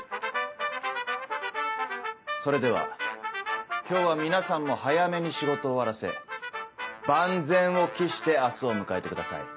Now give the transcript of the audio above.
それでは今日は皆さんも早めに仕事を終わらせ万全を期して明日を迎えてください。